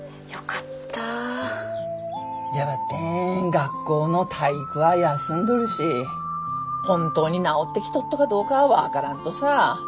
学校の体育は休んどるし本当に治ってきとっとかどうかは分からんとさ。